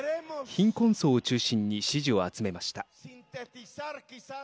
貧困層を中心に支持を集めました。